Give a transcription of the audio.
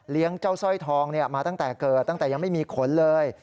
เจ้าสร้อยทองมาตั้งแต่เกิดตั้งแต่ยังไม่มีขนเลย